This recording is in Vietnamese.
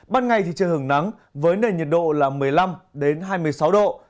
ban ngày thì trời hưởng nắng với nền nhiệt độ là một mươi năm hai mươi sáu độ